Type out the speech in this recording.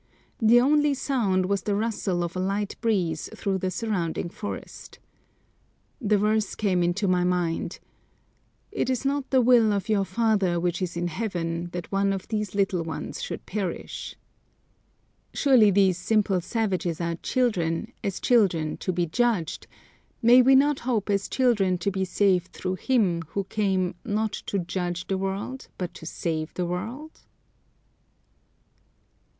The only sound was the rustle of a light breeze through the surrounding forest. The verse came into my mind, "It is not the will of your Father which is in heaven that one of these little ones should perish." Surely these simple savages are children, as children to be judged; may we not hope as children to be saved through Him who came "not to judge the world, but to save the world"?